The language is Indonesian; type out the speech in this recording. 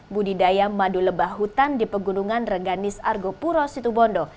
budidaya madu lebah hutan di pegunungan reganis argo puro situ bondo